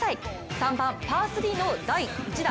３番、パー３の第１打。